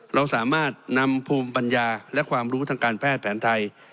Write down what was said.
เราสามารถนำภูมิปัญญาและความรู้ทางการแพทย์แผนไทย